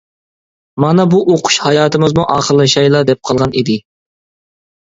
مانا بۇ ئوقۇش ھاياتىمىزمۇ ئاخىرلىشايلا دەپ قالغان ئىدى.